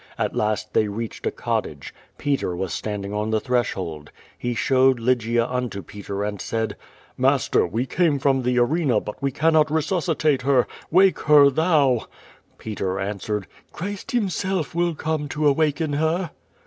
At last they reached a cottage. Peter was standing on the thresh old. He showed Lygia unto Peter and said: ^^^laster, we come from the Arena, but we cannot resuscitate her. AVake her, thou!" Peter answered, "Christ Himself will come to awaken her."